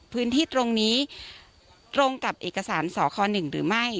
พื้นที่ตรงนี้ตรงกับเอกสารสค๑หรือไม่